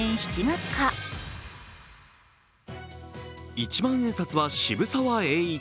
一万円札は渋沢栄一。